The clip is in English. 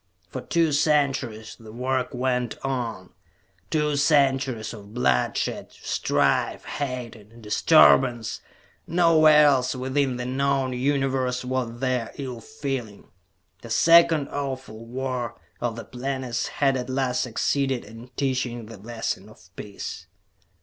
For two centuries the work went on. Two centuries of bloodshed, strife, hate and disturbance. No where else within the known Universe was there ill feeling. The second awful War of the Planets had at last succeeded in teaching the lesson of peace.